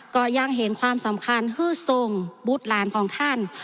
ก็ยังเห็นความสำคัญฮืดทรงบุตรหลานของท่าน